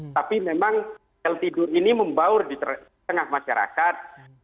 tapi memang sel tidur ini membaur di tengah masyarakat